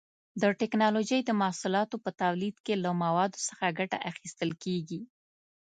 د ټېکنالوجۍ د محصولاتو په تولید کې له موادو څخه ګټه اخیستل کېږي.